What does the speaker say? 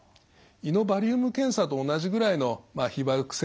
胃のバリウム検査と同じぐらいの被ばく